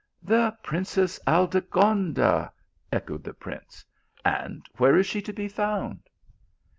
"" The princess Aldegonda !" echoed the prince, and where is she to be found